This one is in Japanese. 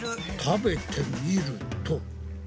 食べてみると。